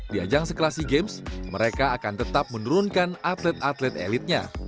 di ajang sekelas sea games mereka akan tetap menurunkan atlet atlet elitnya